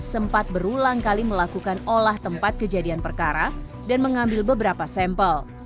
tidak pernah melakukan olah tempat kejadian perkara dan mengambil beberapa sampel